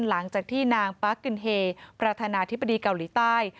หลังจากที่นางปาร์คกึนเฮประธานาธิบดีเกาหลีใต้